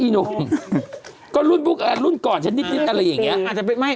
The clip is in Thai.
อีหนูก็รุ่นพวกรุ่นก่อนชั้นนิดนิดอะไรอย่างเงี้ยอาจจะเป็นไม่